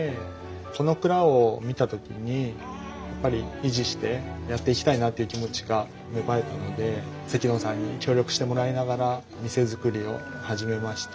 この蔵を見た時にやっぱり維持してやっていきたいなっていう気持ちが芽生えたので関野さんに協力してもらいながら店づくりを始めました。